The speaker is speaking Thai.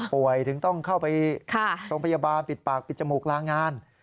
ถึงต้องเข้าไปโรงพยาบาลปิดปากปิดจมูกลางาน